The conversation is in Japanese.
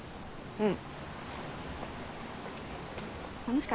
うん。